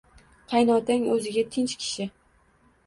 – Qaynotang o‘ziga tinch kishi